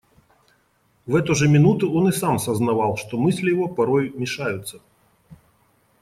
В эту же минуту он и сам сознавал, что мысли его порою мешаются.